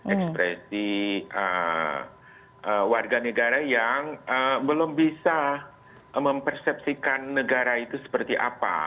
ekspresi warga negara yang belum bisa mempersepsikan negara itu seperti apa